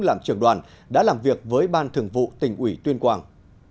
làm trưởng đoàn đã làm việc với ban thường vụ tỉnh ủy tuyên quang